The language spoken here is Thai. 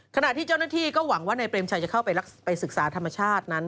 ขณะที่เจ้าหน้าที่ก็หวังว่านายเปรมชัยจะเข้าไปศึกษาธรรมชาตินั้น